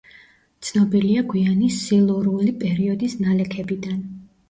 ცნობილია გვიანი სილურული პერიოდის ნალექებიდან.